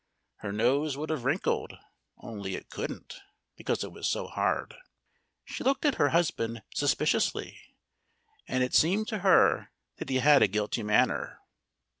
Her nose would have wrinkled only it couldn't, because it was so hard. She looked at her husband suspiciously. And it seemed to her that he had a guilty manner.